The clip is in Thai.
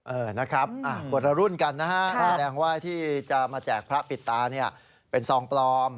เออนะครับคนละรุ่นกันนะฮะแสดงว่าที่จะมาแจกพระปิดตาเนี่ยเป็นซองปลอม